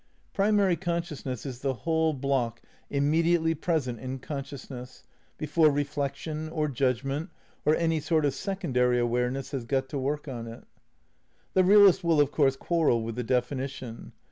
Primary consciousness is the whole block immediately present in consciousness, before re flection, or judgment, or any sort of secondary aware ness has got to work on it. The realist will, of course, quarrel with the definition.